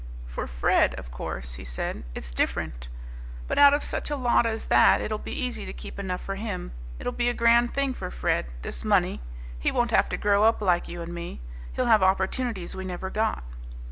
"For Fred, of course," he said, "it's different. But out of such a lot as that it'll be easy to keep enough for him. It'll be a grand thing for Fred, this money. He won't have to grow up like you and me. He'll have opportunities we never got."